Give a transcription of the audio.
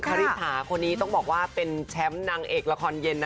คาริพาคนนี้ต้องบอกว่าเป็นแชมป์นางเอกละครเย็นนะ